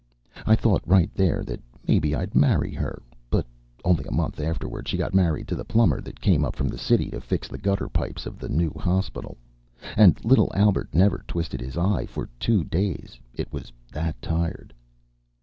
I thought right there that mebbe I'd marry her. But only a month afterward she got married to the plumber that came up from the city to fix the gutter pipes of the new hospital. And little Albert never twisted his eye for two days, it was that tired.